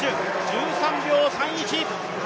１３秒３１！